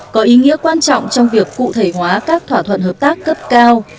có ý nghĩa quan trọng trong việc cụ thể hóa các thỏa thuận hợp tác cấp cao